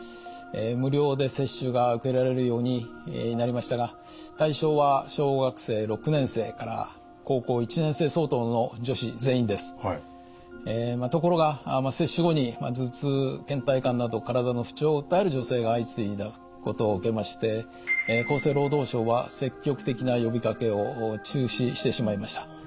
無料で接種が受けられるようになりましたがところが接種後に頭痛・けん怠感など体の不調を訴える女性が相次いだことを受けまして厚生労働省は積極的な呼びかけを中止してしまいました。